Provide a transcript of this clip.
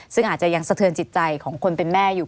ซึ่งอาจจะยังสะเทือนจิตใจของคนเป็นแม่อยู่